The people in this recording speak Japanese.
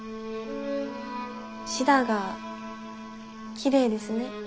シダがきれいですね。